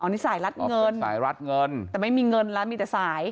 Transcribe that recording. อ๋อนี่สายรัดเงินแต่ไม่มีเงินแล้วมีแต่สาย